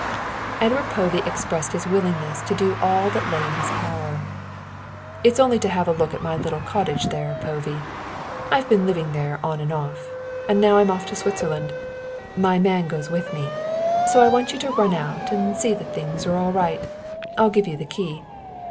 Edward Povey expressed his willingness to do all that lay in his power. "It's only to have a look at my little cottage there, Povey; I've been living there on and off, and now I'm off to Switzerland. My man goes with me, so I want you to run out and see that things are all right. I'll give you the key.